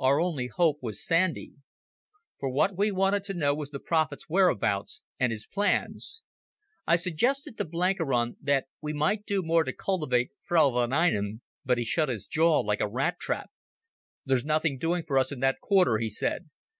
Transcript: Our only hope was Sandy, for what we wanted to know was the prophet's whereabouts and his plans. I suggested to Blenkiron that we might do more to cultivate Frau von Einem, but he shut his jaw like a rat trap. "There's nothing doing for us in that quarter," he said.